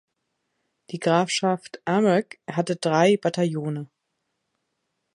Die Grafschaft Armagh hatte drei Bataillone.